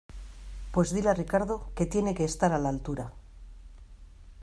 pues dile a Ricardo que tiene que estar a la altura